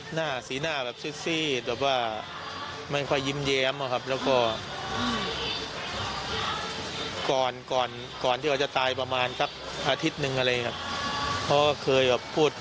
หน้าสีหน้าแบบซื้อซี่แบบว่าไม่ค่อยยิ้มแย้มแล้วก็ก่อนที่จะตายประมาณสักอาทิตย์นึงอะไรก็เคยบอกพูดว่า